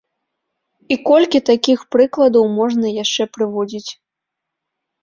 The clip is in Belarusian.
І колькі такіх прыкладаў можна яшчэ прыводзіць.